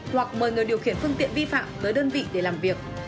hoặc mời người điều khiển phương tiện vi phạm tới đơn vị để làm việc